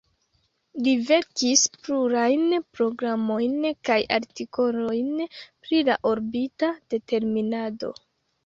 Li verkis plurajn programojn kaj artikolojn pri la orbita determinado.